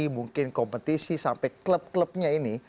mungkin kompetisi sampai klub klubnya ini